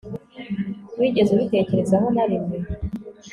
wigeze ubitekerezaho narimwe